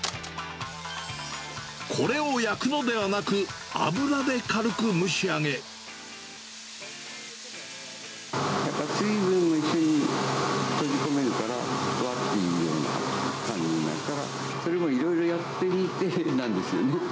これを焼くのではなく、水分も一緒に閉じ込めるから、ふわっていうような感じになるから、それもいろいろやってみてなんですよね。